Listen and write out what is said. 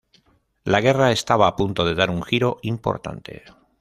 La guerra estaba a punto de dar un giro importante.